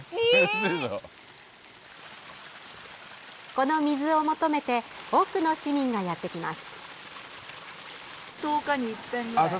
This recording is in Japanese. この水を求めて多くの市民がやって来ます。